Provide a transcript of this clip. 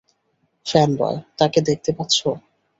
Fanboy, তাকে দেখতে পাচ্ছো?